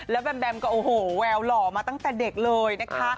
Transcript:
แล้วแบมแบมก็โอ้โหแววหล่อมาตั้งแต่เด็กเลยนะคะ